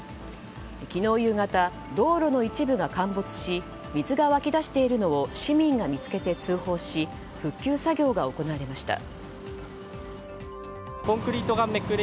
昨日夕方、道路の一部が陥没し水が湧き出しているのを市民が見つけて通報し復旧作業が行われました。